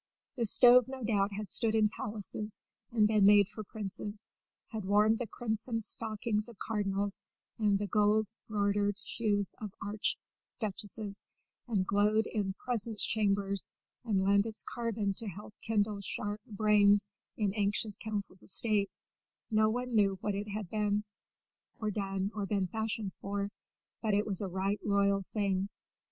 The stove no doubt had stood in palaces and been made for princes, had warmed the crimson stockings of cardinals and the gold broidered shoes of archduchesses, had glowed in presence chambers and lent its carbon to help kindle sharp brains in anxious councils of state; no one knew what it had been or done or been fashioned for; but it was a right royal thing.